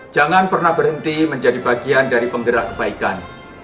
jangan pernah berhenti menjadi bagian dari penggerak kebaikan